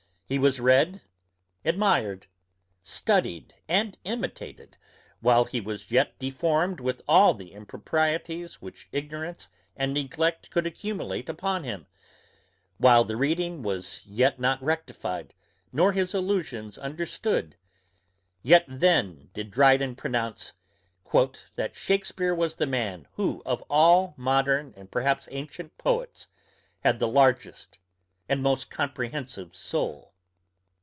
He was read, admired, studied, and imitated, while he was yet deformed with all the improprieties which ignorance and neglect could accumulate upon him; while the reading was yet not rectified, nor his allusions understood; yet then did Dryden pronounce "that Shakespeare was the man, who, of all modern and perhaps ancient poets, had the largest and most comprehensive soul."